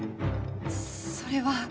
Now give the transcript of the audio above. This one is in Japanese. それは。